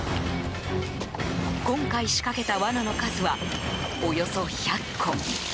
今回仕掛けた罠の数はおよそ１００個。